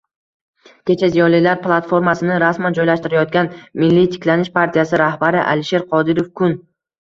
Kecha ziyolilar platformasini rasman joylashtirayotgan "Milliy tiklanish" partiyasi rahbari Alisher Qodirov Kun